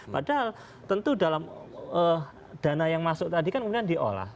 padahal tentu dalam dana yang masuk tadi kan kemudian diolah